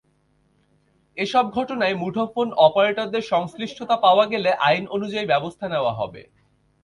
এসব ঘটনায় মুঠোফোন অপারেটরদের সংশ্লিষ্টতা পাওয়া গেলে আইন অনুযায়ী ব্যবস্থা নেওয়া হবে।